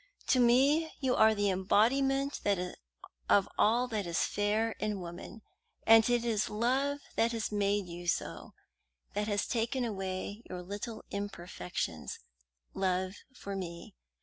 To me you are the embodiment of all that is fair in woman, and it is love that has made you so, that has taken away your little imperfections love for me.